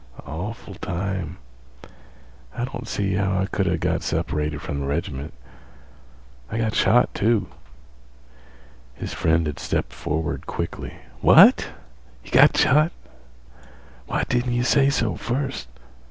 Awful time. I don't see how I could a' got separated from th' reg'ment. I got shot, too." His friend had stepped forward quickly. "What? Got shot? Why didn't yeh say so first?